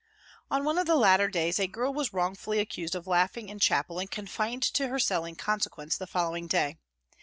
On one of the latter days a girl was wrongfully accused of laughing in chapel, and confined to her cell in consequence the following day.